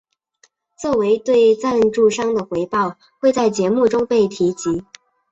作为对赞助商的回报会在节目中被提及。